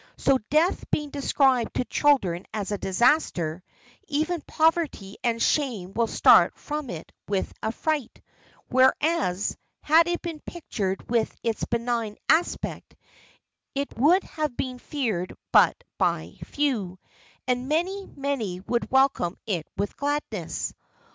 So, death being described to children as a disaster, even poverty and shame will start from it with affright; whereas, had it been pictured with its benign aspect, it would have been feared but by few, and many, many would welcome it with gladness.